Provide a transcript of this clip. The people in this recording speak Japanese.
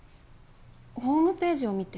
ホームページを見て。